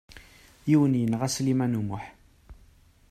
Yiwen yenɣa Sliman U Muḥ.